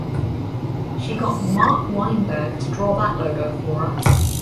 She got Mark Weinberg to draw that logo for us.